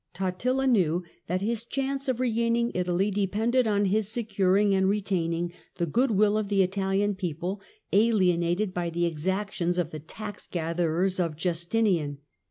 Totiia knew that his chance of regaining Italy de pended on his securing and retaining the goodwill of the Italian people, alienated by the exactions of the tax gatherers of Justinian.